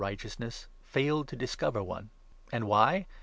365 righteousness, failed to discover one. And why?